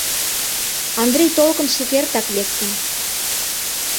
«Андрий Толкын» шукертак лектын.